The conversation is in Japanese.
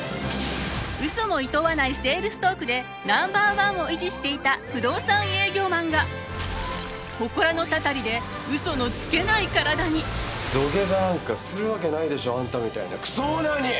嘘もいとわないセールストークでナンバーワンを維持していた不動産営業マンが土下座なんかするわけないでしょあんたみたいなクソオーナーに！